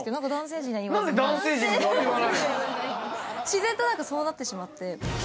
自然と何かそうなってしまって。